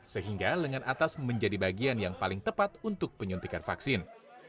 sehingga lengan atas menjadi bagian yang paling tepat untuk penyuntikan vaksin